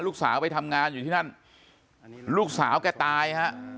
ลูกสาวไปทำงานอยู่ที่นั่นลูกสาวแกตายฮะ